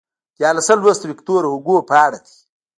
دیارلسم لوست ویکتور هوګو په اړه دی.